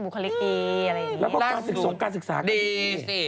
เพราะการสึกสูงการศึกษากันดี